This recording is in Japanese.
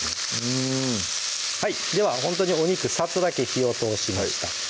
うんはいではほんとにお肉サッとだけ火を通しました